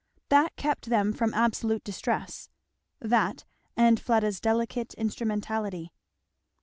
That kept them from absolute distress; that, and Fleda's delicate instrumentality.